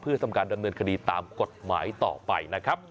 เพื่อทำการดำเนินคดีตามกฎหมายต่อไปนะครับ